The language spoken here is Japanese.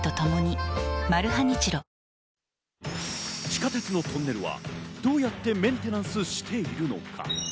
地下鉄のトンネルはどうやってメンテナンスしているのか？